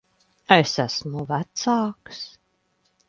Es esmu vecāks.